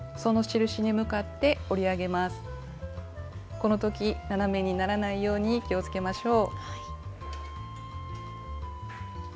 この時斜めにならないように気をつけましょう。